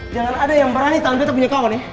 jangan ada yang berani tantri tantri punya kawan ya